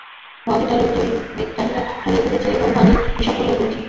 মাটি তার জৈবিক চরিত্র হারিয়ে ফেলেছে এবং পানি বিষাক্ত হয়ে পড়েছে।